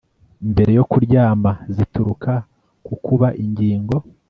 mbere yo kuryama zituruka ku kuba ingingo